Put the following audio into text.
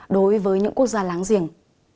đối với những quốc gia láng giềng